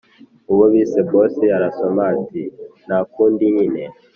uwo bise boss arasoma ati ntakundi nyine